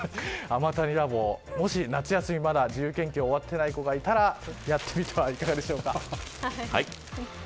アマ＆タニラボ、もし夏休みまだ自由研究終わってない子がいたらやってみてはいかがでしょうか。